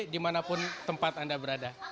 dimanapun tempat anda berada